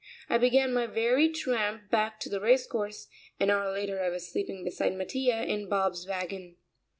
I began my weary tramp back to the race course; an hour later I was sleeping beside Mattia in Bob's wagon.